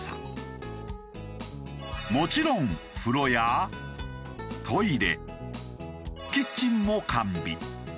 もちろん風呂やトイレキッチンも完備。